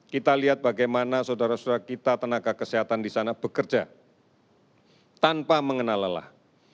kita lihat bagaimana saudara saudara kita tenaga kesehatan di sana bekerja tanpa mengenal lelah